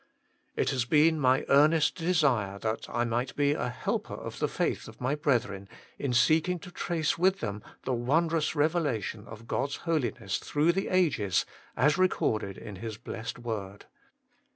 It has been my earnest desire that I might be a helper of the faith of my brethren in seeking to trace with them the wondrous revelation of God's Holiness through the ages as recorded in His blessed Word.